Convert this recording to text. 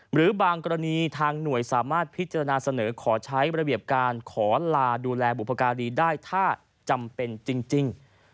หรือบางกรณีทางหน่วยสามารถพิจารณาเสนอขอใช้ระเบียบการขอลาดูแลบุพการีได้ถ้าจำเป็นจริง